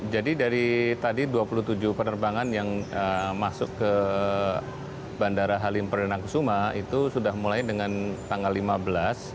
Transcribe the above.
jadi dari tadi dua puluh tujuh penerbangan yang masuk ke bandara halim perdenang kusuma itu sudah mulai dengan tanggal lima belas